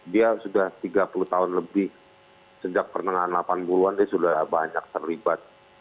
dia sudah tiga puluh tahun lebih sejak pertengahan delapan puluh an dia sudah banyak terlibat